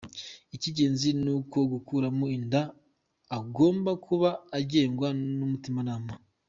Icy'ingenzi ni uko ukuramo inda agomba kuba agengwa n'umutimanama.